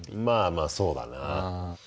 まあまあそうだな。